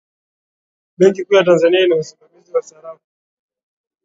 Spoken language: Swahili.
benki kuu ya tanzania ina usimamizi wa sarafu